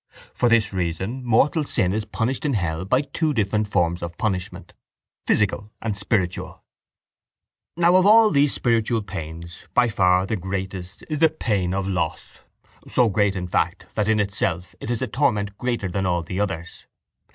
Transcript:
For this reason mortal sin is punished in hell by two different forms of punishment, physical and spiritual. Now of all these spiritual pains by far the greatest is the pain of loss, so great, in fact, that in itself it is a torment greater than all the others.